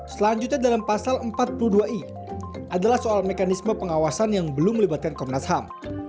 selanjutnya dalam pasal empat puluh dua i adalah soal mekanisme pengawasan yang belum melibatkan komnas ham